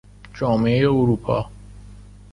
جامعه اروپا